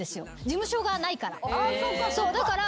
事務所がないから。